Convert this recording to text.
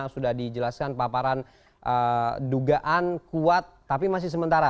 sudah dijelaskan paparan dugaan kuat tapi masih sementara